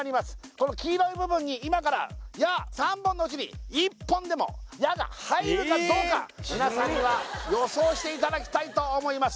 この黄色い部分に今から矢３本のうちに１本でも矢が入るかどうか皆さんには予想していただきたいと思います